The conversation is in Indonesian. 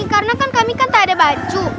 karena kan kami kan tak ada baju